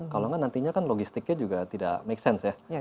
kalau enggak nantinya kan logistiknya juga tidak make sense ya